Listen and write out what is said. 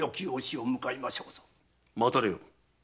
待たれよ。